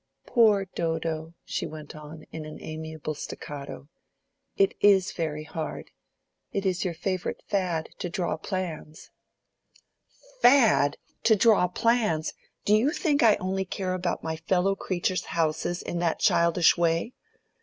"Poor Dodo," she went on, in an amiable staccato. "It is very hard: it is your favorite fad to draw plans." "Fad to draw plans! Do you think I only care about my fellow creatures' houses in that childish way?